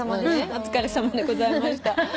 お疲れさまでございました。